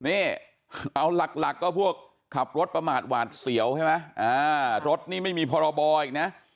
นี่เอาหลักก็พวกขับรถประมาทหวาดเสียวใช่ไหมรถนี่ไม่มีพรบอีกนะ